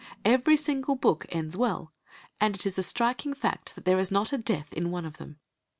Every single book ends well, and it is a striking fact that there is not a death in one of them.